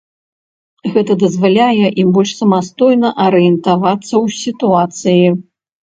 Гэта дазваляе ім больш самастойна арыентавацца ў сітуацыі.